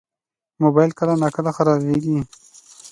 موبایل کله ناکله خرابېږي.